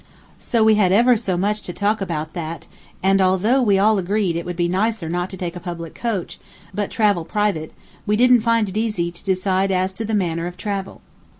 So we had ever so much talk about that, and although we all agreed it would be nicer not to take a public coach, but travel private, we didn't find it easy to decide as to the manner of travel.